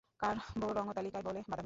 কার ব রঙতালিকায় বলে "বাদামী"।